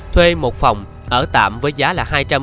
thuê một phòng ở tạm với giá là